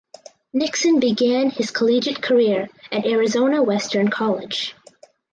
Nixon began his collegiate career at Arizona Western College.